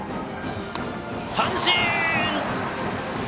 三振！